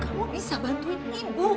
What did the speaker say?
kamu bisa bantuin ibu